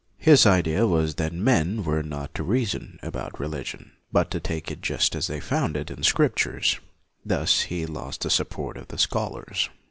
His idea was that men were not to reason about religion, but to take it just as they found it in the Scrip tures. Thus he lost the support of the scholars.